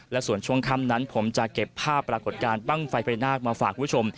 และส่วนช่วงค่ำนั้นผมจะเก็บภาพปรากฏการณ์บ้างไฟใบหน้ามาฝากคุณผู้ชม